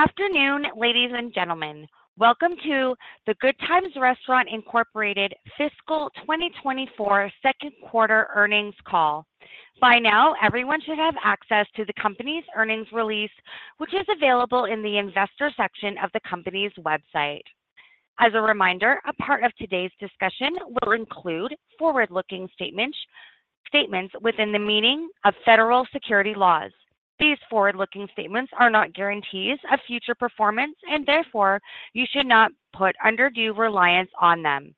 Good afternoon, ladies and gentlemen. Welcome to the Good Times Restaurants Inc. Fiscal 2024 second quarter earnings call. By now, everyone should have access to the company's earnings release, which is available in the investor section of the company's website. As a reminder, a part of today's discussion will include forward-looking statements within the meaning of federal securities laws. These forward-looking statements are not guarantees of future performance, and therefore you should not put undue reliance on them.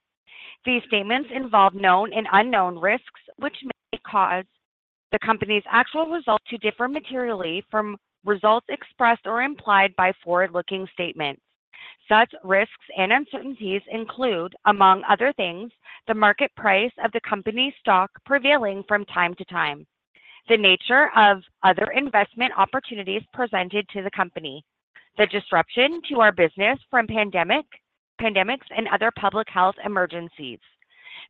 These statements involve known and unknown risks, which may cause the company's actual results to differ materially from results expressed or implied by forward-looking statements. Such risks and uncertainties include, among other things, the market price of the company's stock prevailing from time to time, the nature of other investment opportunities presented to the company, the disruption to our business from pandemics and other public health emergencies,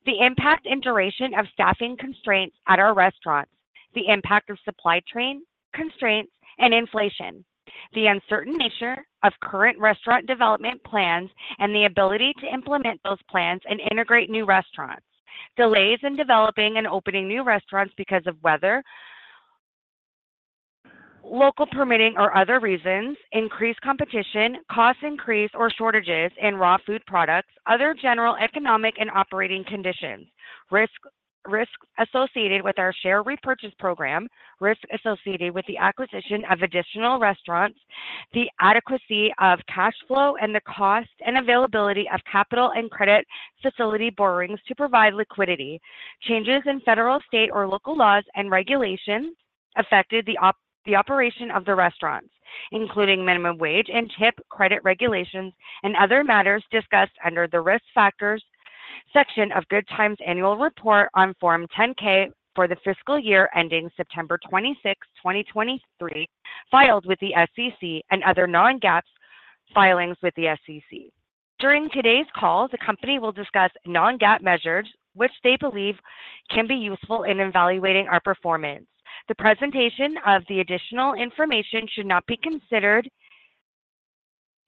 the impact and duration of staffing constraints at our restaurants, the impact of supply chain constraints and inflation, the uncertain nature of current restaurant development plans and the ability to implement those plans and integrate new restaurants, delays in developing and opening new restaurants because of weather, local permitting or other reasons, increased competition, cost increase or shortages in raw food products, other general economic and operating conditions, risks associated with our share repurchase program, risks associated with the acquisition of additional restaurants, the adequacy of cash flow and the cost and availability of capital and credit facility borrowings to provide liquidity, changes in federal, state, or local laws and regulations affecting the operation of the restaurants, including minimum wage and tip credit regulations, and other matters discussed under the risk factors section of Good Times Annual Report on Form 10-K for the fiscal year ending September 26, 2023, filed with the SEC, and other non-GAAP filings with the SEC. During today's call, the company will discuss non-GAAP measures, which they believe can be useful in evaluating our performance. The presentation of the additional information should not be considered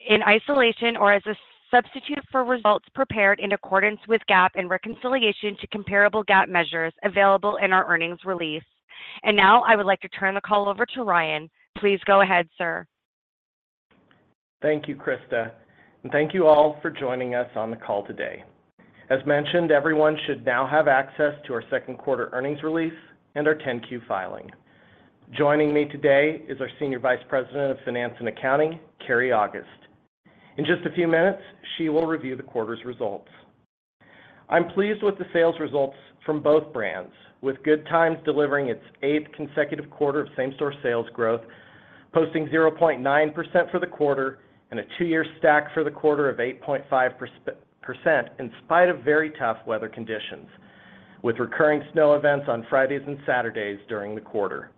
in isolation or as a substitute for results prepared in accordance with GAAP and reconciliation to comparable GAAP measures available in our earnings release. Now I would like to turn the call over to Ryan. Please go ahead, sir. Thank you, Krista. Thank you all for joining us on the call today. As mentioned, everyone should now have access to our second quarter earnings release and our 10-Q filing. Joining me today is our Senior Vice President of Finance and Accounting, Keri August. In just a few minutes, she will review the quarter's results. I'm pleased with the sales results from both brands, with Good Times delivering its eighth consecutive quarter of same-store sales growth, posting 0.9% for the quarter and a two-year stack for the quarter of 8.5% in spite of very tough weather conditions, with recurring snow events on Fridays and Saturdays during the quarter.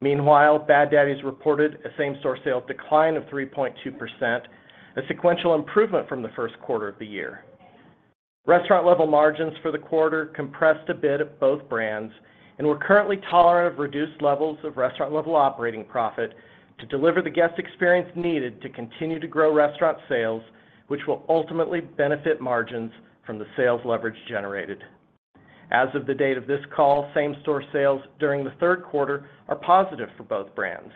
Meanwhile, Bad Daddy's reported a same-store sales decline of 3.2%, a sequential improvement from the first quarter of the year. Restaurant-level margins for the quarter compressed a bit at both brands and were currently tolerant of reduced levels of restaurant-level operating profit to deliver the guest experience needed to continue to grow restaurant sales, which will ultimately benefit margins from the sales leverage generated. As of the date of this call, same-store sales during the third quarter are positive for both brands,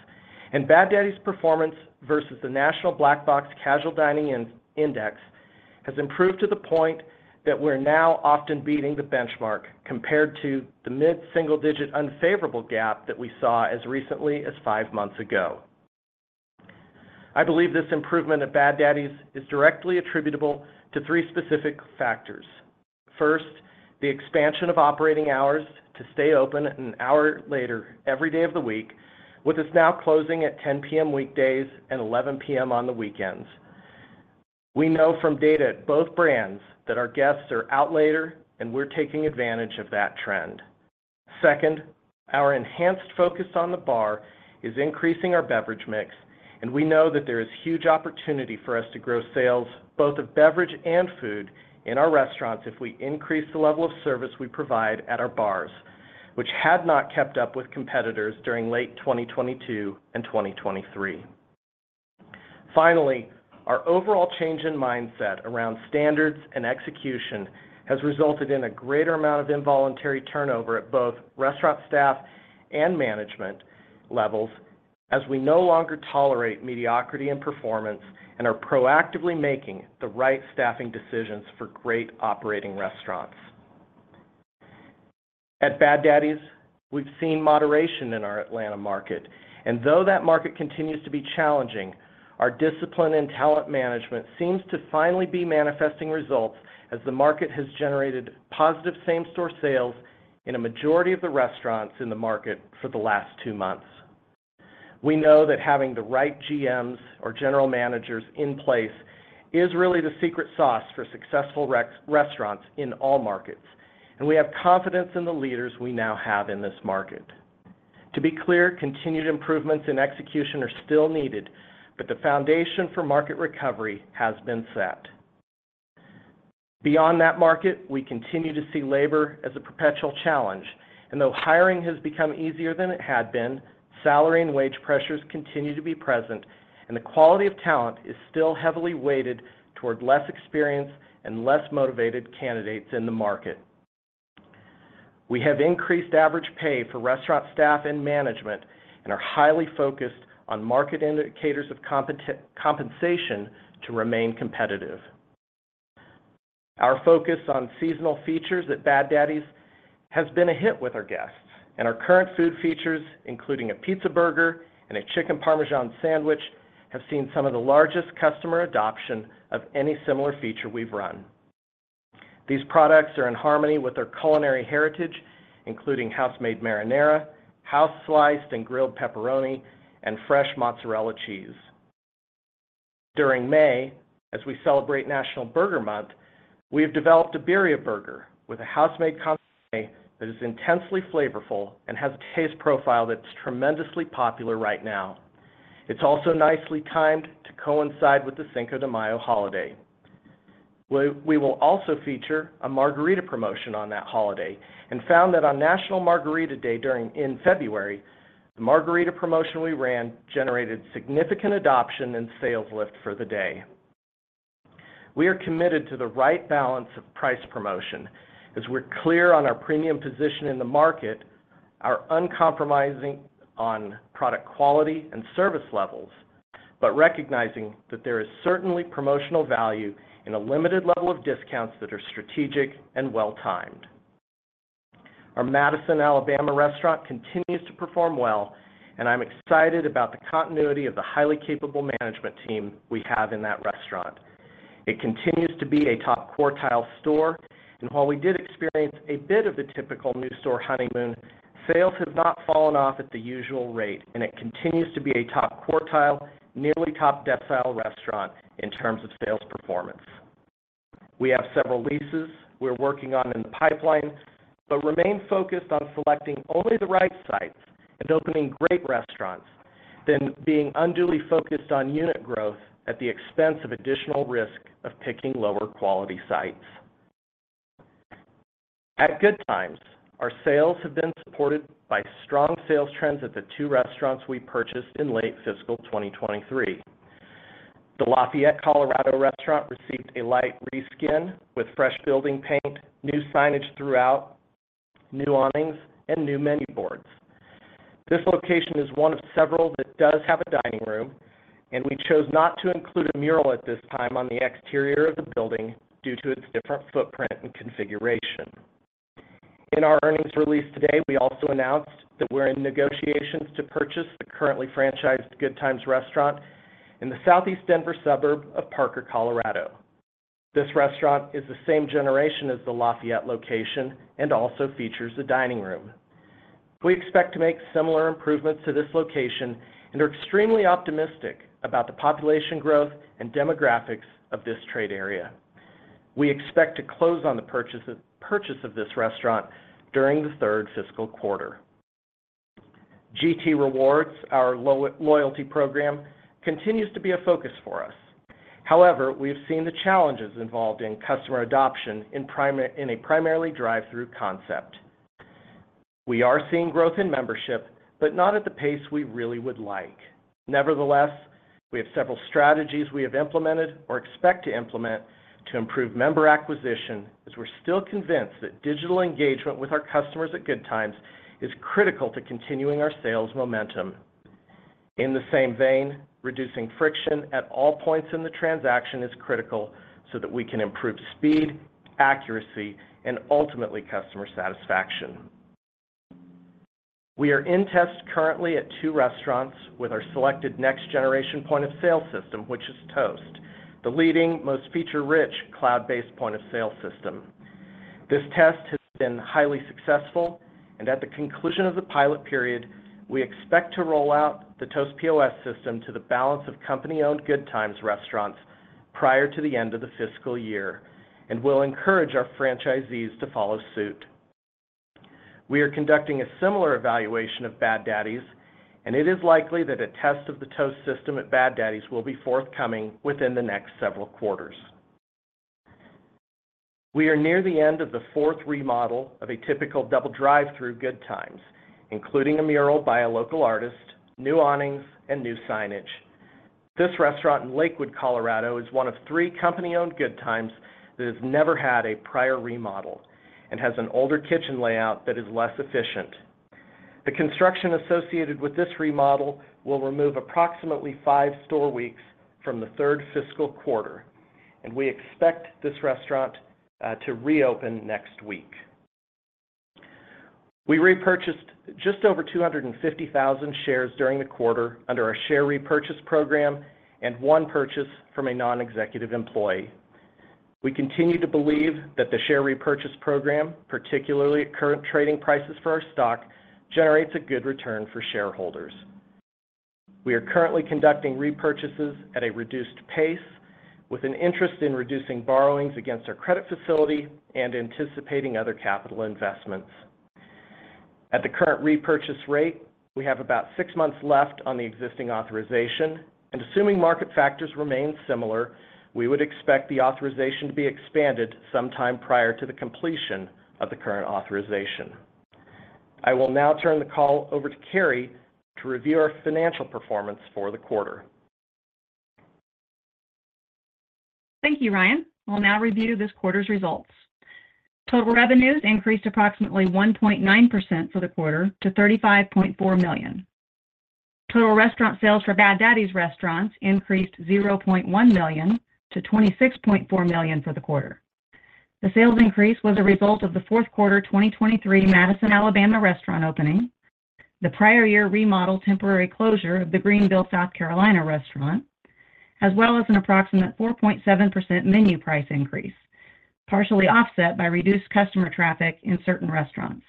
and Bad Daddy's performance versus the National Black Box Casual Dining Index has improved to the point that we're now often beating the benchmark compared to the mid-single-digit unfavorable gap that we saw as recently as five months ago. I believe this improvement at Bad Daddy's is directly attributable to three specific factors. First, the expansion of operating hours to stay open an hour later every day of the week, with us now closing at 10:00 P.M. weekdays and 11:00 P.M. on the weekends. We know from data at both brands that our guests are out later, and we're taking advantage of that trend. Second, our enhanced focus on the bar is increasing our beverage mix, and we know that there is huge opportunity for us to grow sales both of beverage and food in our restaurants if we increase the level of service we provide at our bars, which had not kept up with competitors during late 2022 and 2023. Finally, our overall change in mindset around standards and execution has resulted in a greater amount of involuntary turnover at both restaurant staff and management levels, as we no longer tolerate mediocrity in performance and are proactively making the right staffing decisions for great operating restaurants. At Bad Daddy's, we've seen moderation in our Atlanta market, and though that market continues to be challenging, our discipline and talent management seems to finally be manifesting results as the market has generated positive same-store sales in a majority of the restaurants in the market for the last two months. We know that having the right GMs or general managers in place is really the secret sauce for successful restaurants in all markets, and we have confidence in the leaders we now have in this market. To be clear, continued improvements in execution are still needed, but the foundation for market recovery has been set. Beyond that market, we continue to see labor as a perpetual challenge, and though hiring has become easier than it had been, salary and wage pressures continue to be present, and the quality of talent is still heavily weighted toward less experienced and less motivated candidates in the market. We have increased average pay for restaurant staff and management and are highly focused on market indicators of compensation to remain competitive. Our focus on seasonal features at Bad Daddy's has been a hit with our guests, and our current food features, including a pizza burger and a chicken Parmesan sandwich, have seen some of the largest customer adoption of any similar feature we've run. These products are in harmony with our culinary heritage, including house-made marinara, house-sliced and grilled pepperoni, and fresh mozzarella cheese. During May, as we celebrate National Burger Month, we have developed a birria burger with a house-made consommé that is intensely flavorful and has a taste profile that's tremendously popular right now. It's also nicely timed to coincide with the Cinco de Mayo holiday. We will also feature a margarita promotion on that holiday and found that on National Margarita Day in February, the margarita promotion we ran generated significant adoption and sales lift for the day. We are committed to the right balance of price promotion as we're clear on our premium position in the market, we're uncompromising on product quality and service levels, but recognizing that there is certainly promotional value in a limited level of discounts that are strategic and well-timed. Our Madison, Alabama restaurant continues to perform well, and I'm excited about the continuity of the highly capable management team we have in that restaurant. It continues to be a top quartile store, and while we did experience a bit of the typical new store honeymoon, sales have not fallen off at the usual rate, and it continues to be a top quartile, nearly top decile restaurant in terms of sales performance. We have several leases we're working on in the pipeline but remain focused on selecting only the right sites and opening great restaurants rather than being unduly focused on unit growth at the expense of additional risk of picking lower quality sites. At Good Times, our sales have been supported by strong sales trends at the two restaurants we purchased in late fiscal 2023. The Lafayette, Colorado restaurant received a light reskin with fresh building paint, new signage throughout, new awnings, and new menu boards. This location is one of several that does have a dining room, and we chose not to include a mural at this time on the exterior of the building due to its different footprint and configuration. In our earnings release today, we also announced that we're in negotiations to purchase the currently franchised Good Times restaurant in the southeast Denver suburb of Parker, Colorado. This restaurant is the same generation as the Lafayette location and also features a dining room. We expect to make similar improvements to this location and are extremely optimistic about the population growth and demographics of this trade area. We expect to close on the purchase of this restaurant during the third fiscal quarter. GT Rewards, our loyalty program, continues to be a focus for us. However, we've seen the challenges involved in customer adoption in a primarily drive-through concept. We are seeing growth in membership but not at the pace we really would like. Nevertheless, we have several strategies we have implemented or expect to implement to improve member acquisition as we're still convinced that digital engagement with our customers at Good Times is critical to continuing our sales momentum. In the same vein, reducing friction at all points in the transaction is critical so that we can improve speed, accuracy, and ultimately customer satisfaction. We are in test currently at two restaurants with our selected next-generation point of sale system, which is Toast, the leading, most feature-rich cloud-based point of sale system. This test has been highly successful, and at the conclusion of the pilot period, we expect to roll out the Toast POS system to the balance of company-owned Good Times restaurants prior to the end of the fiscal year and will encourage our franchisees to follow suit. We are conducting a similar evaluation of Bad Daddy's, and it is likely that a test of the Toast system at Bad Daddy's will be forthcoming within the next several quarters. We are near the end of the fourth remodel of a typical double drive-through Good Times, including a mural by a local artist, new awnings, and new signage. This restaurant in Lakewood, Colorado, is one of three company-owned Good Times that has never had a prior remodel and has an older kitchen layout that is less efficient. The construction associated with this remodel will remove approximately 5 store weeks from the third fiscal quarter, and we expect this restaurant to reopen next week. We repurchased just over 250,000 shares during the quarter under our share repurchase program and 1 purchase from a non-executive employee. We continue to believe that the share repurchase program, particularly at current trading prices for our stock, generates a good return for shareholders. We are currently conducting repurchases at a reduced pace with an interest in reducing borrowings against our credit facility and anticipating other capital investments. At the current repurchase rate, we have about 6 months left on the existing authorization, and assuming market factors remain similar, we would expect the authorization to be expanded sometime prior to the completion of the current authorization. I will now turn the call over to Keri to review our financial performance for the quarter. Thank you, Ryan. We'll now review this quarter's results. Total revenues increased approximately 1.9% for the quarter to $35.4 million. Total restaurant sales for Bad Daddy's restaurants increased $0.1 million to $26.4 million for the quarter. The sales increase was a result of the fourth quarter 2023 Madison, Alabama restaurant opening, the prior year remodel temporary closure of the Greenville, South Carolina restaurant, as well as an approximate 4.7% menu price increase, partially offset by reduced customer traffic in certain restaurants.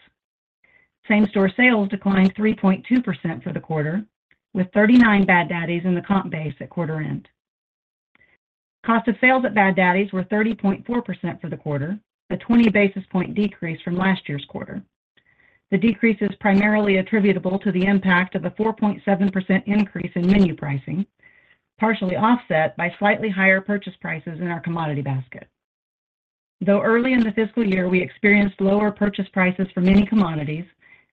Same-store sales declined 3.2% for the quarter, with 39 Bad Daddy's in the comp base at quarter end. Cost of sales at Bad Daddy's were 30.4% for the quarter, a 20 basis point decrease from last year's quarter. The decrease is primarily attributable to the impact of a 4.7% increase in menu pricing, partially offset by slightly higher purchase prices in our commodity basket. Though early in the fiscal year we experienced lower purchase prices for many commodities,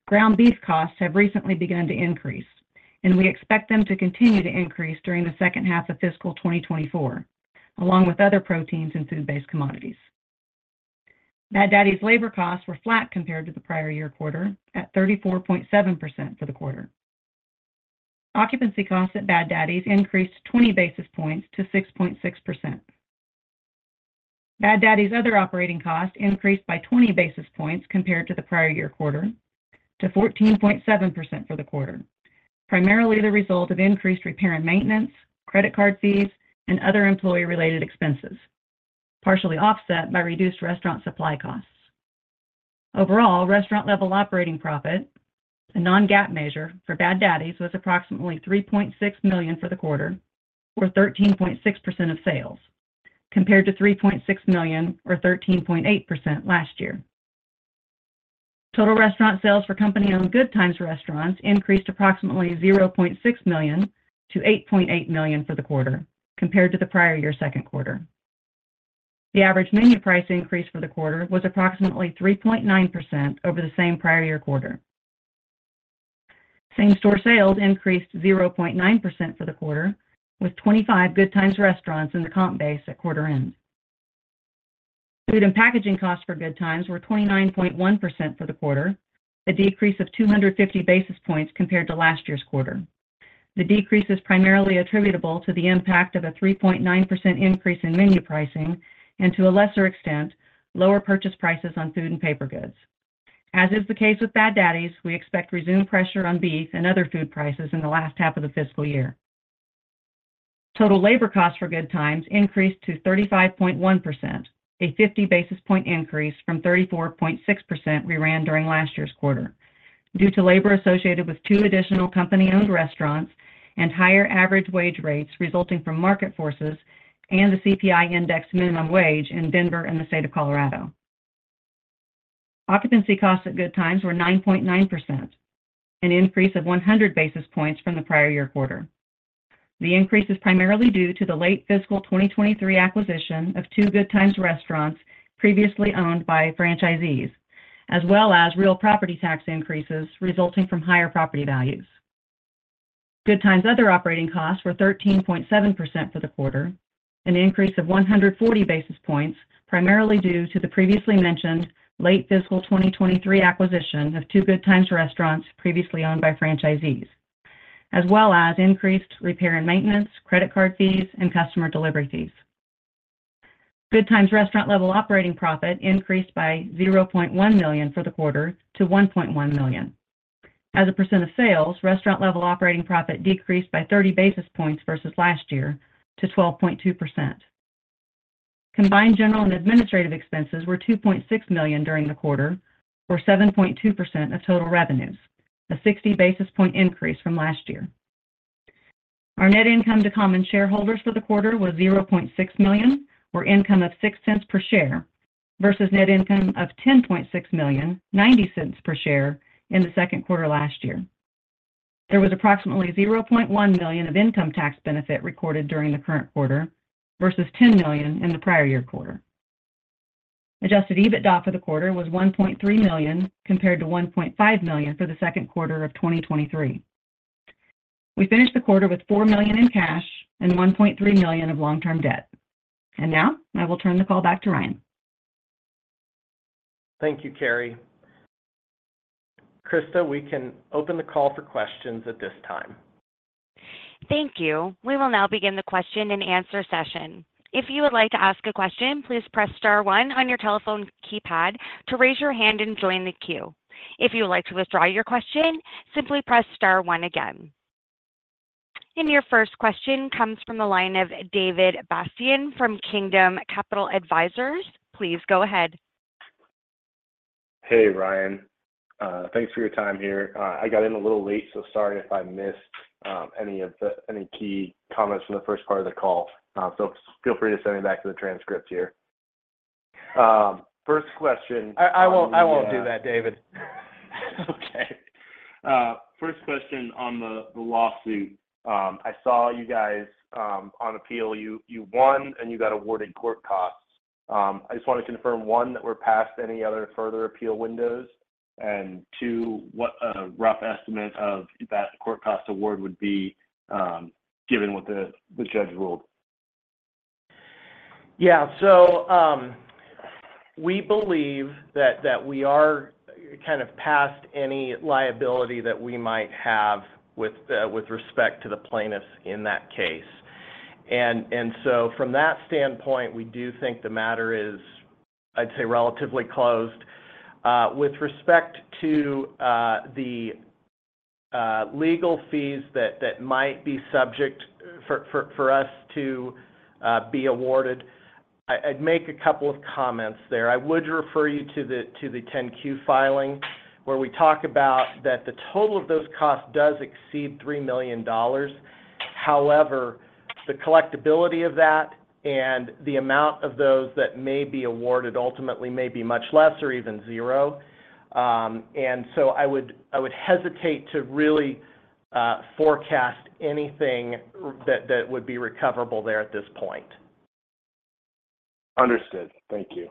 ground beef costs have recently begun to increase, and we expect them to continue to increase during the second half of fiscal 2024, along with other proteins and food-based commodities. Bad Daddy's labor costs were flat compared to the prior year quarter at 34.7% for the quarter. Occupancy costs at Bad Daddy's increased 20 basis points to 6.6%. Bad Daddy's other operating costs increased by 20 basis points compared to the prior year quarter to 14.7% for the quarter, primarily the result of increased repair and maintenance, credit card fees, and other employee-related expenses, partially offset by reduced restaurant supply costs. Overall, restaurant-level operating profit, a non-GAAP measure for Bad Daddy's, was approximately $3.6 million for the quarter, or 13.6% of sales, compared to $3.6 million or 13.8% last year. Total restaurant sales for company-owned Good Times restaurants increased approximately $0.6 million to $8.8 million for the quarter, compared to the prior year second quarter. The average menu price increase for the quarter was approximately 3.9% over the same prior year quarter. Same-store sales increased 0.9% for the quarter, with 25 Good Times restaurants in the comp base at quarter end. Food and packaging costs for Good Times were 29.1% for the quarter, a decrease of 250 basis points compared to last year's quarter. The decrease is primarily attributable to the impact of a 3.9% increase in menu pricing and, to a lesser extent, lower purchase prices on food and paper goods. As is the case with Bad Daddy's, we expect resumed pressure on beef and other food prices in the last half of the fiscal year. Total labor costs for Good Times increased to 35.1%, a 50 basis point increase from 34.6% we ran during last year's quarter, due to labor associated with two additional company-owned restaurants and higher average wage rates resulting from market forces and the CPI index minimum wage in Denver and the state of Colorado. Occupancy costs at Good Times were 9.9%, an increase of 100 basis points from the prior year quarter. The increase is primarily due to the late fiscal 2023 acquisition of two Good Times restaurants previously owned by franchisees, as well as real property tax increases resulting from higher property values. Good Times' other operating costs were 13.7% for the quarter, an increase of 140 basis points primarily due to the previously mentioned late fiscal 2023 acquisition of two Good Times restaurants previously owned by franchisees, as well as increased repair and maintenance, credit card fees, and customer delivery fees. Good Times restaurant-level operating profit increased by $0.1 million for the quarter to $1.1 million. As a percent of sales, restaurant-level operating profit decreased by 30 basis points versus last year to 12.2%. Combined general and administrative expenses were $2.6 million during the quarter, or 7.2% of total revenues, a 60 basis point increase from last year. Our net income to common shareholders for the quarter was $0.6 million, or income of $0.06 per share, versus net income of $10.6 million, $0.90 per share, in the second quarter last year. There was approximately $0.1 million of income tax benefit recorded during the current quarter versus $10 million in the prior year quarter. Adjusted EBITDA for the quarter was $1.3 million compared to $1.5 million for the second quarter of 2023. We finished the quarter with $4 million in cash and $1.3 million of long-term debt. Now I will turn the call back to Ryan. Thank you, Keri. Krista, we can open the call for questions at this time. Thank you. We will now begin the question and answer session. If you would like to ask a question, please press star one on your telephone keypad to raise your hand and join the queue. If you would like to withdraw your question, simply press star one again. Your first question comes from the line of David Bastian from Kingdom Capital Advisors. Please go ahead. Hey, Ryan. Thanks for your time here. I got in a little late, so sorry if I missed any key comments from the first part of the call. So feel free to send me back to the transcript here. First question. I won't do that, David. Okay. First question on the lawsuit. I saw you guys on appeal. You won, and you got awarded court costs. I just want to confirm, one, that we're past any other further appeal windows, and two, what a rough estimate of that court cost award would be given what the judge ruled. Yeah. So we believe that we are kind of past any liability that we might have with respect to the plaintiffs in that case. And so from that standpoint, we do think the matter is, I'd say, relatively closed. With respect to the legal fees that might be subject for us to be awarded, I'd make a couple of comments there. I would refer you to the 10-Q filing where we talk about that the total of those costs does exceed $3 million. However, the collectibility of that and the amount of those that may be awarded ultimately may be much less or even zero. And so I would hesitate to really forecast anything that would be recoverable there at this point. Understood. Thank you.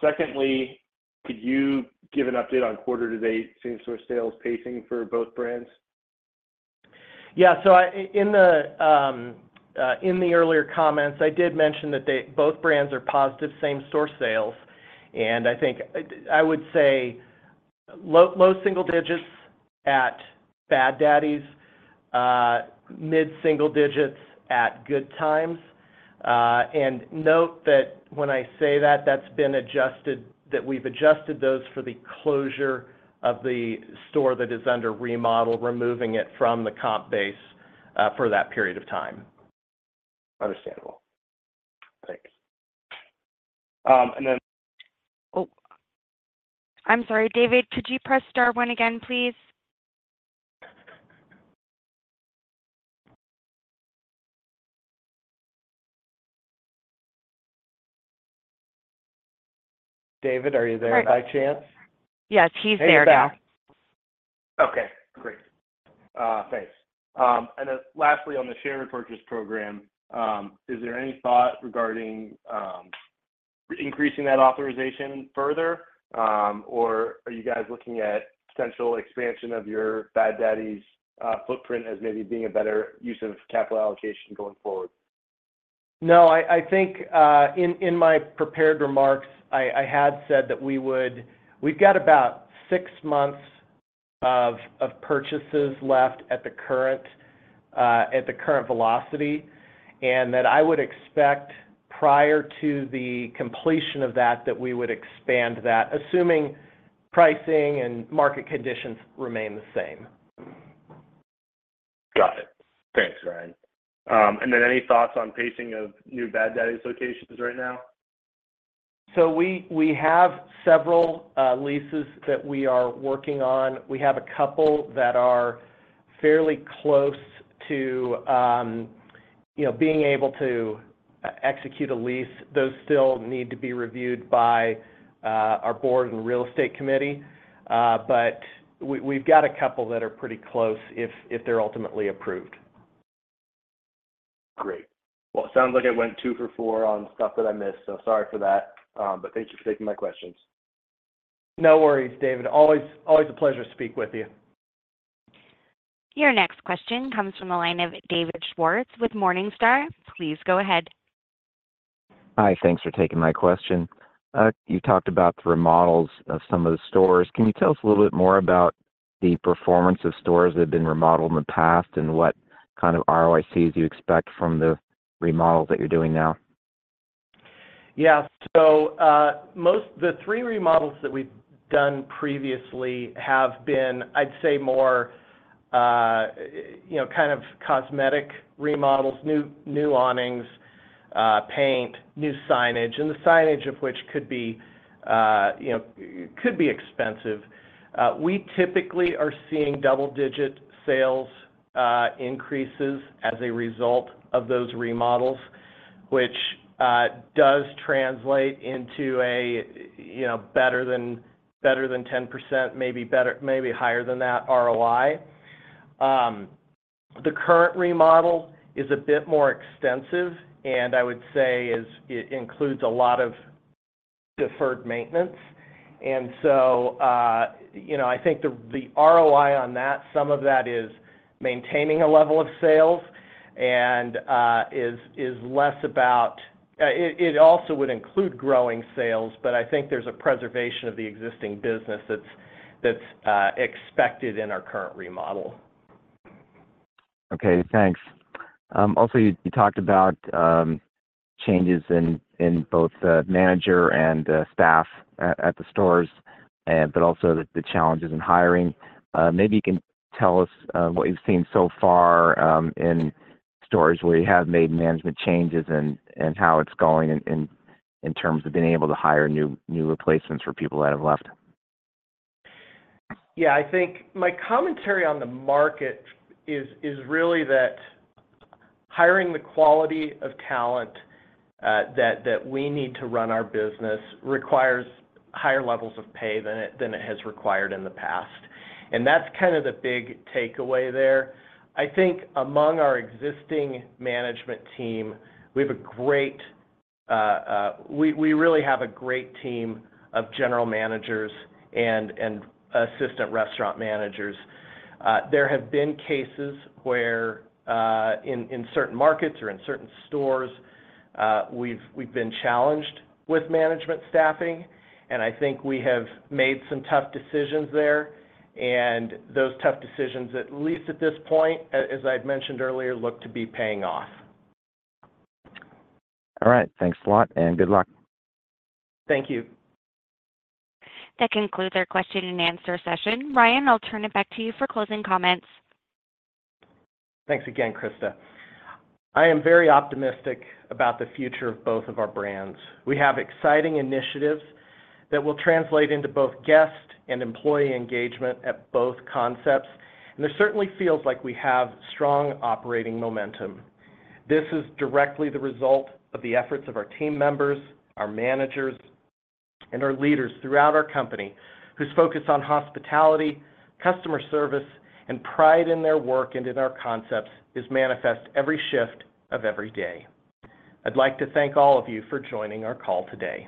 Secondly, could you give an update on quarter-to-date same-store sales pacing for both brands? Yeah. So in the earlier comments, I did mention that both brands are positive same-store sales. And I would say low single digits at Bad Daddy's, mid-single digits at Good Times. And note that when I say that, that's been adjusted that we've adjusted those for the closure of the store that is under remodel, removing it from the comp base for that period of time. Understandable. Thanks. And then. Oh. I'm sorry. David, could you press star one again, please? David, are you there by chance? Yes. He's there now. He's back. Okay. Great. Thanks. And then lastly, on the share repurchase program, is there any thought regarding increasing that authorization further, or are you guys looking at potential expansion of your Bad Daddy's footprint as maybe being a better use of capital allocation going forward? No. I think in my prepared remarks, I had said that we've got about six months of purchases left at the current velocity and that I would expect prior to the completion of that that we would expand that, assuming pricing and market conditions remain the same. Got it. Thanks, Ryan. And then any thoughts on pacing of new Bad Daddy's locations right now? We have several leases that we are working on. We have a couple that are fairly close to being able to execute a lease. Those still need to be reviewed by our Board and Real Estate Committee. We've got a couple that are pretty close if they're ultimately approved. Great. Well, it sounds like I went 2 for 4 on stuff that I missed, so sorry for that. But thank you for taking my questions. No worries, David. Always a pleasure to speak with you. Your next question comes from the line of David Swartz with Morningstar. Please go ahead. Hi. Thanks for taking my question. You talked about the remodels of some of the stores. Can you tell us a little bit more about the performance of stores that have been remodeled in the past and what kind of ROICs you expect from the remodels that you're doing now? Yeah. So the three remodels that we've done previously have been, I'd say, more kind of cosmetic remodels, new awnings, paint, new signage, and the signage of which could be expensive. We typically are seeing double-digit sales increases as a result of those remodels, which does translate into a better than 10%, maybe higher than that ROI. The current remodel is a bit more extensive, and I would say it includes a lot of deferred maintenance. And so I think the ROI on that, some of that is maintaining a level of sales and is less about it also would include growing sales, but I think there's a preservation of the existing business that's expected in our current remodel. Okay. Thanks. Also, you talked about changes in both manager and staff at the stores, but also the challenges in hiring. Maybe you can tell us what you've seen so far in stores where you have made management changes and how it's going in terms of being able to hire new replacements for people that have left? Yeah. I think my commentary on the market is really that hiring the quality of talent that we need to run our business requires higher levels of pay than it has required in the past. And that's kind of the big takeaway there. I think among our existing management team, we have a great we really have a great team of general managers and assistant restaurant managers. There have been cases where in certain markets or in certain stores, we've been challenged with management staffing. And I think we have made some tough decisions there. And those tough decisions, at least at this point, as I'd mentioned earlier, look to be paying off. All right. Thanks a lot, and good luck. Thank you. That concludes our question and answer session. Ryan, I'll turn it back to you for closing comments. Thanks again, Krista. I am very optimistic about the future of both of our brands. We have exciting initiatives that will translate into both guest and employee engagement at both concepts. There certainly feels like we have strong operating momentum. This is directly the result of the efforts of our team members, our managers, and our leaders throughout our company whose focus on hospitality, customer service, and pride in their work and in our concepts is manifest every shift of every day. I'd like to thank all of you for joining our call today.